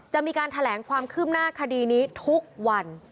จะมีการแถลงความคืบหน้าคดีนี้ทุกวัน